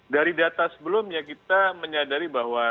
dari data sebelumnya kita menyadari bahwa